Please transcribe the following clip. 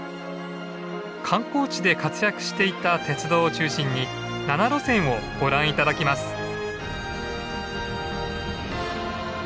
観光地で活躍していた鉄道を中心に７路線をご覧頂きます。